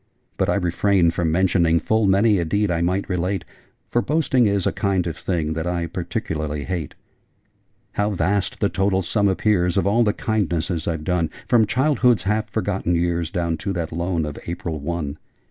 But I refrain from mentioning Full many a deed I might relate For boasting is a kind of thing That I particularly hate. {Image...'I will lend you fifty more!'} 'How vast the total sum appears Of all the kindnesses I've done, From Childhood's half forgotten years Down to that Loan of April One!